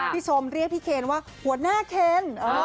ชมเรียกพี่เคนว่าหัวหน้าเคน